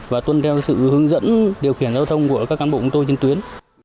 và tuân theo sự hướng dẫn điều khiển giao thông của các cán bộ của tôi trên tuyến